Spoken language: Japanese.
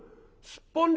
すっぽん？